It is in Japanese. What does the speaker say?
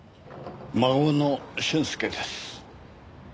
孫の俊介です。